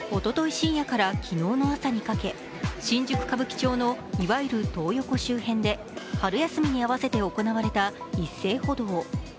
深夜から昨日の朝にかけ新宿・歌舞伎町のいわゆるトー横周辺で春休みに合わせて行われた一斉補導。